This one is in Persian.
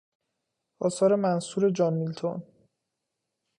آثار منثور جان میلتون